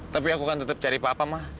tapi aku kan tetep cari papa ma